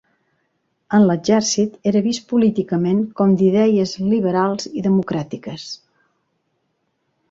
En l'exèrcit era vist políticament com d'idees liberals i democràtiques.